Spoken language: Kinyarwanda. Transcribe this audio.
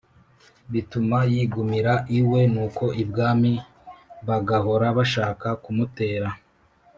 bituma yigumira iwe. nuko ibwami bagahora bashaka kumutera,